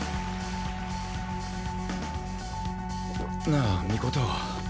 なあ尊。